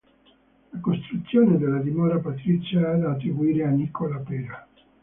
La costruzione della dimora patrizia è da attribuire a Nicola Pera.